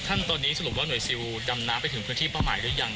ตอนนี้สรุปว่าหน่วยซิลดำน้ำไปถึงพื้นที่เป้าหมายหรือยัง